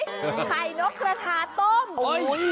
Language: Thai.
ไข่นกกระทาต้ม